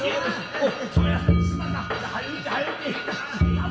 おい。